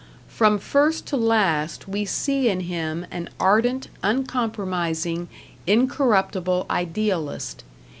From first to last we see in him an ardent, uncompromising, incorruptible idealist.